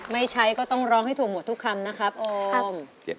ไม่ใช้ก็ต้องร้องให้ถูกหมดทุกคำนะครับโอม